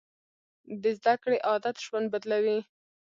د زده کړې عادت ژوند بدلوي.